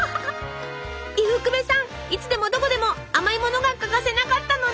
伊福部さんいつでもどこでも甘いものが欠かせなかったのね！